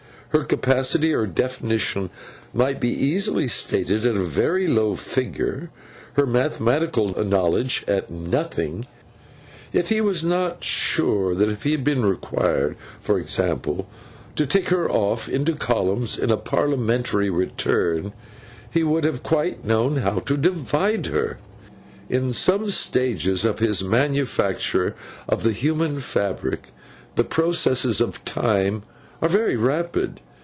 Her capacity of definition might be easily stated at a very low figure, her mathematical knowledge at nothing; yet he was not sure that if he had been required, for example, to tick her off into columns in a parliamentary return, he would have quite known how to divide her. In some stages of his manufacture of the human fabric, the processes of Time are very rapid.